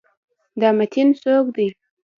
دا متین څوک دی؟